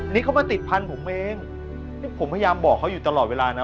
นี่เขามาติดพันธุ์ผมเองนี่ผมพยายามบอกเขาอยู่ตลอดเวลานะ